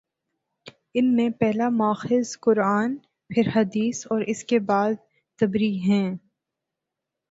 ان میں پہلا ماخذ قرآن، پھر حدیث اور اس کے بعد طبری ہیں۔